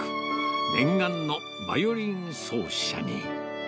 念願のバイオリン奏者に。